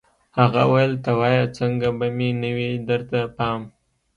هغه ویل ته وایه څنګه به مې نه وي درته پام